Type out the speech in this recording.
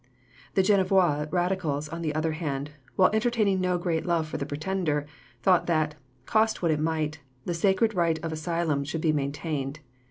The Genevois radicals, on the other hand, while entertaining no great love for the pretender, thought that, cost what it might, "the sacred right of asylum" should be maintained.